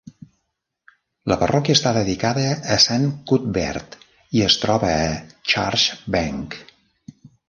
La parròquia està dedicada a Sant Cuthbert i es troba a Church Bank.